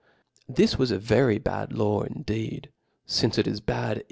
(•^'u'uie This was a very bad law indeed, fince it is bad